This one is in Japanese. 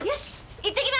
いってきます！